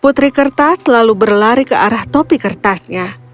putri kertas selalu berlari ke arah topi kertasnya